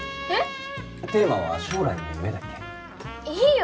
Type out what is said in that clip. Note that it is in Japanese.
えっ？